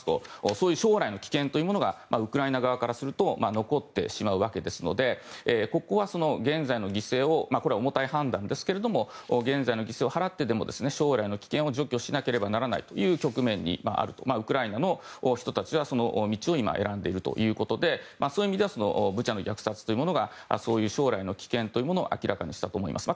そういう将来の危険というものがウクライナ側からすると残ってしまうわけですのでここは、重たい判断ですが現在の犠牲を払ってでも将来の危険を除去しなければならないという局面にあるとウクライナの人たちはその道を選んでいるということでそういう意味ではブチャの虐殺というものがそういう将来の危険というものを明らかにしたと思います。